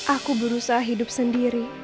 aku berusaha hidup sendirian